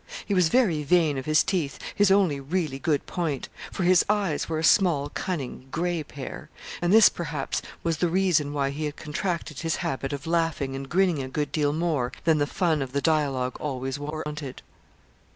He was very vain of his teeth his only really good point for his eyes were a small cunning, gray pair; and this, perhaps, was the reason why he had contracted his habit of laughing and grinning a good deal more than the fun of the dialogue always warranted.